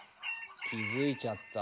気付いちゃった？